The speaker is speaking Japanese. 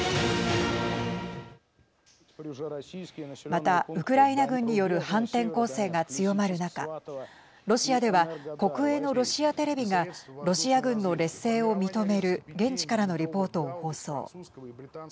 また、ウクライナ軍による反転攻勢が強まる中ロシアでは国営のロシアテレビがロシア軍の劣勢を認める現地からのリポートを放送。